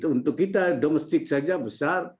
untuk kita domestik saja besar